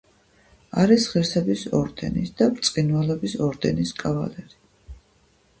არის ღირსების ორდენის და ბრწყინვალების ორდენის კავალერი.